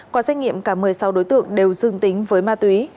qua xét nghiệm cả một mươi sáu đối tượng đều dương tính với ma túy